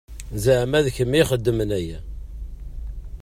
Zeɛma d kemm i ixedmen aya?